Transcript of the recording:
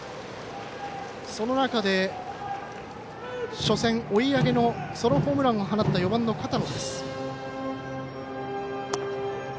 その中で初戦追い上げのソロホームランを放った４番、片野。